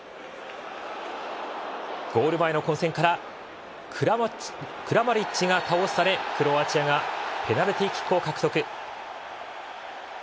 ゴール前の混戦からクラマリッチが倒されクロアチアがペナルティーキックを獲得。